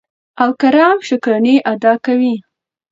او کرم شکرانې ادا کوي.